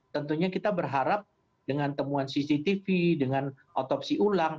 tentunya kita berharap dengan temuan cctv dengan otopsi ulang